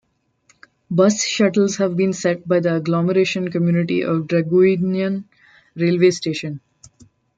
Bus shuttles have been set by the agglomeration community of Draguignan railway station.